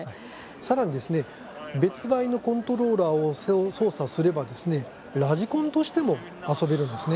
さらに、別売のコントローラーを操作すればラジコンとしても遊べるんです。